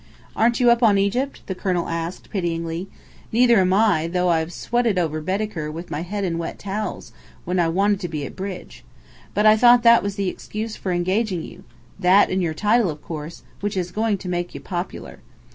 "Aren't you up on Egypt?" the colonel asked, pityingly. "Neither am I, though I've sweated over Baedeker with my head in wet towels, when I wanted to be at bridge. But I thought that was the excuse for engaging you? That, and your title, of course, which is going to make you popular.